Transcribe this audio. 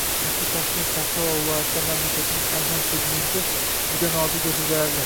Chunki Toshkent shahri va viloyatida mamlakatning arzon segmenti juda nozik va sezilarli